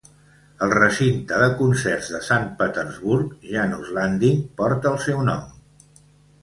El recinte de concerts de Sant Petersburg Jannus Landing porta el seu nom.